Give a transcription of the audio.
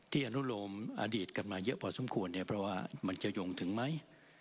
อนุโลมอดีตกันมาเยอะพอสมควรเนี่ยเพราะว่ามันจะยงถึงไหม